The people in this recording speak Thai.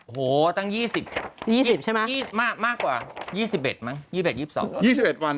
โหทั้ง๒๐มากกว่า๒๑มั้ง๒๒วัน